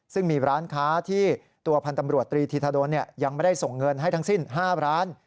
ซึ่งมีร้านค้าที่ตัวพันธ์ตำรวจตรีธีธดลยังไม่ได้ส่งเงินให้ทั้งสิ้น๕ร้าน